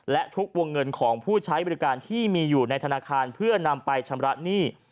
และทุกวงเงินของผู้ใช้บริการที่มีอยู่ในธนาคารเพื่อนำไปชำระหนี้